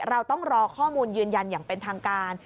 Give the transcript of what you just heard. เราต้องรอข้อมูลยืนยันอย่างเป็นทางการ